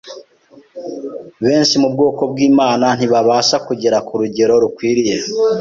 benshi mu bwoko bw’Imana ntibabasha kugera ku rugero rukwiriye